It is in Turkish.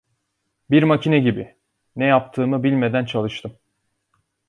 Bir makine gibi, ne yaptığımı bilmeden çalıştım.